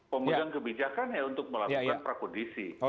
pemegang kebijakannya untuk melakukan prakondisi